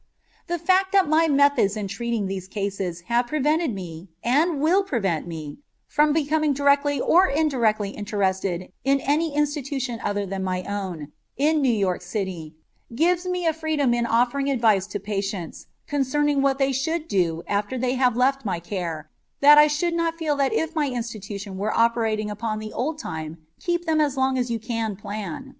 The fact that my methods in treating these cases have prevented me, and will prevent me, from becoming directly or indirectly interested in any institution other than my own, in New York City, gives me a freedom in offering advice to patients concerning what they should do after they have left my care that I should not feel if my institution were operated upon the old time keep them as long as you can plan.